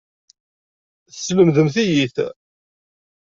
Teslemdem-iyi-t.